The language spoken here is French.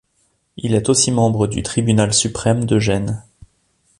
Il est aussi membre du tribunal suprême de Gênes.